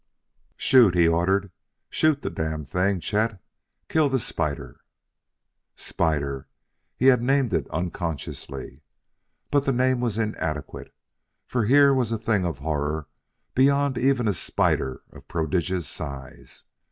"Shoot!" he ordered. "Shoot the damned thing, Chet! Kill the spider!" Spider! He had named it unconsciously. But the name was inadequate, for here was a thing of horror beyond even a spider of prodigious size.